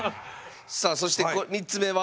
さあそしてこれ３つ目は？